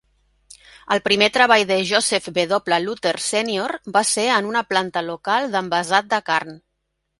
El primer treball de Joseph W. Luter sènior va ser en una planta local d'envasat de carn.